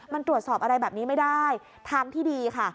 มันตรวจสอบอะไรแบบนี้ไม่ได้ทางที่ดีค่ะ